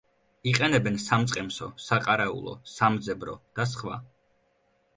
იყენებენ სამწყემსო, საყარაულო, სამძებრო და სხვა.